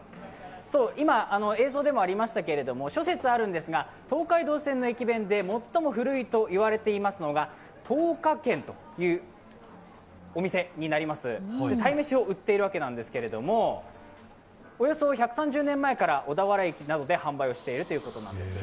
今、映像でもありましたけれども諸説あるんですが東海道線の駅弁で最も古いといわれているのが東華軒というお店だそうで、鯛めしを売っているわけですけれども、およそ１３０年前から小田原駅などで販売しているということです。